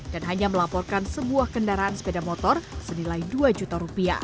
dan hanya melaporkan sebuah kendaraan sepeda motor senilai dua juta